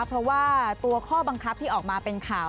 เพราะว่าตัวข้อบังคับที่ออกมาเป็นข่าว